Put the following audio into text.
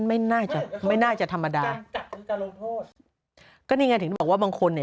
ไม่น่าจะไม่น่าจะธรรมดาลงโทษก็นี่ไงถึงบอกว่าบางคนเนี่ย